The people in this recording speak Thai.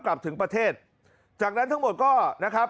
กลับถึงประเทศจากนั้นทั้งหมดก็นะครับ